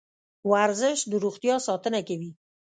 ورزش د روغتیا ساتنه کوي.